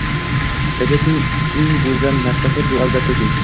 Tabiatning eng guzal narsasi bu albatta gul.